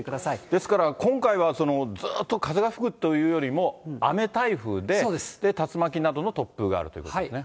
ですから、今回はずっと風が吹くというよりも、雨台風で、竜巻などの突風があるということですね。